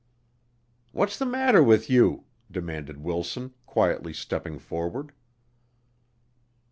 "What's the matter with you?" demanded Wilson, quietly stepping forward.